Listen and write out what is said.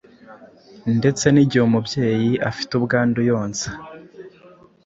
ndetse n’igihe umubyeyi ufite ubwandu yonsa.